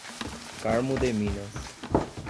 Carmo de Minas